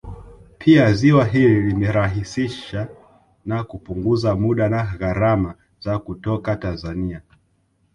Pia ziwa hili limerahisishsa na kupunguza muda na gharama za kutoka Tanzania